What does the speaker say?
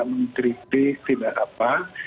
menkritik tidak apa